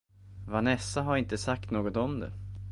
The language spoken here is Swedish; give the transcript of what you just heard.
Vanessa har inte sagt något om det.